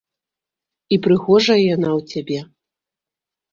І прыгожая яна ў цябе.